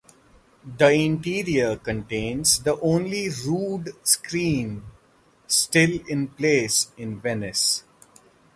The interior contains the only rood screen still in place in Venice.